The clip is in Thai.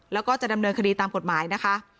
แล้วก็จะดำเนินคดีตามกฎหมายนะคะ